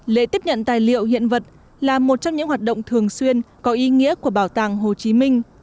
lễ tiếp nhận tài liệu hiện vật là một trong những hoạt động thường xuyên có ý nghĩa của bảo tàng hồ chí minh